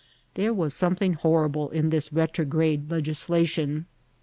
There was something horrible in this retrograde legislation.